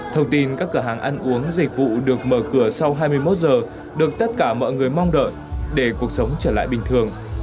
thông tin các cửa hàng ăn uống dịch vụ được mở cửa sau hai mươi một giờ được tất cả mọi người mong đợi để cuộc sống trở lại bình thường